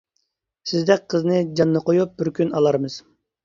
سىزدەك قىزنى جاننى قويۇپ بىر كۈن ئالارمىز.